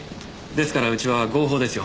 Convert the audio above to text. ですからうちは合法ですよ。